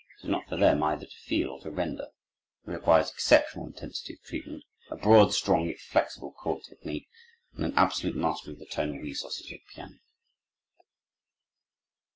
It is not for them either to feel or to render. It requires exceptional intensity of treatment, a broad, strong, yet flexible chord technique, and an absolute mastery of the tonal resources of the piano.